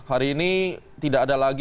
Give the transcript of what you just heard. hari ini tidak ada lagi